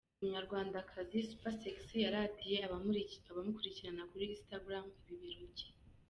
Umunyarwandakazi Supersexy yaratiye abamukurikira kuri instagram ibibero cye.